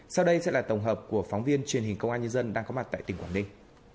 sau đây sẽ là tổng hợp của phóng viên truyền hình công an nhân dân đang có mặt tại tỉnh quảng ninh